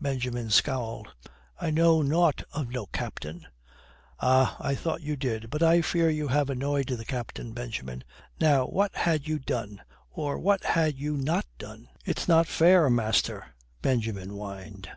Benjamin scowled. "I know nought o' no captain." "Ah, I thought you did. But I fear you have annoyed the captain, Benjamin. Now what had you done or what had you not done?" "It's not fair, master," Benjamin whined.